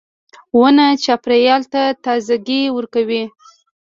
• ونه چاپېریال ته تازهګۍ ورکوي.